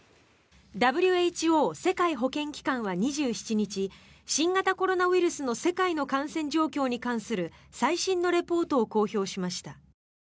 ＷＨＯ・世界保健機関は２７日新型コロナウイルスの世界の感染状況に関する最新のリポートを公表しました。